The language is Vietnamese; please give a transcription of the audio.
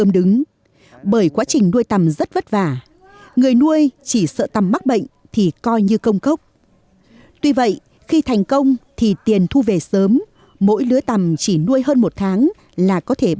đúng như người xưa từng nói